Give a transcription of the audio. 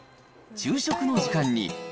昼食の時間に。